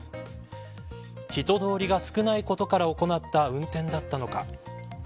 人通りが少ないことから行った運転だったのか。